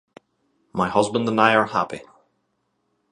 My husband and I are happy.